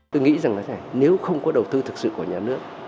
tôi nghĩ rằng là thế này nếu không có đầu tư thực sự của nhà nước